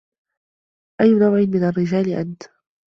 أيّ نوع من الرّجال أنت.